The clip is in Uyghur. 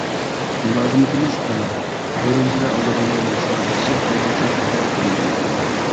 مۇلازىمىتىمىز ئەلا: ئۈرۈمچىدە ئالىدىغانلار بولسا ئىشىك ئالدىغىچە ئاپىرىپ بېرىلىدۇ.